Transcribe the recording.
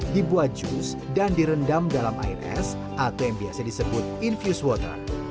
dibuat jus dan direndam dalam air es atau yang biasa disebut infuse water